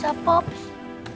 tidak ada yang bisa